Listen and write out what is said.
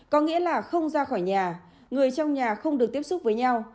có nghĩa là không ra khỏi nhà người trong nhà không được tiếp xúc với nhau